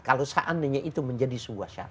kalau seandainya itu menjadi sebuah syarat